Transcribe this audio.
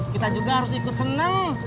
kita juga harus ikut senang